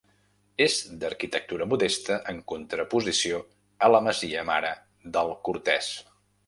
És d'arquitectura modesta en contraposició a la masia mare del Cortès.